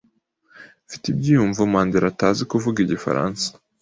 Mfite ibyiyumvo Mandera atazi kuvuga igifaransa.